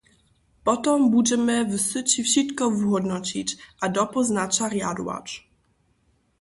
Potom budźemy w syći wšitko wuhódnoćić a dopóznaća rjadować.